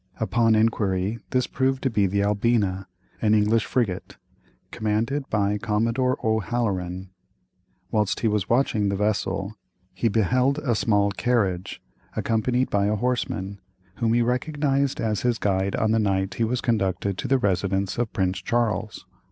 Upon inquiry this proved to be the Albina, an English frigate, commanded by Commodore O'Haleran. Whilst he was watching the vessel he beheld a small close carriage, accompanied by a horseman, whom he recognized as his guide on the night he was conducted to the residence of Prince Charles.